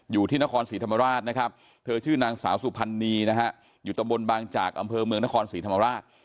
อยู่ที่นครศรีธรรมราชนะครับเธอชื่อนางสาวสุพรรณีนะฮะอยู่ตำบลบางจากอำเภอเมืองนครศรีธรรมราช